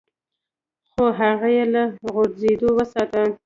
خو هغه يې له غورځېدو وساته.